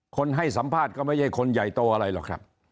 ให้สัมภาษณ์ก็ไม่ใช่คนใหญ่โตอะไรหรอกครับ